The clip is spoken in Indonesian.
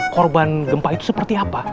korban gempa itu seperti apa